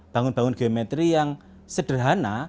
bangun bangun geometri yang sederhana